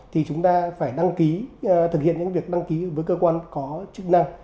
thì chúng ta phải đăng ký thực hiện những việc đăng ký với cơ quan có chức năng